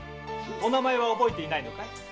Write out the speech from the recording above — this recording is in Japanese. お名前は覚えていないのかい？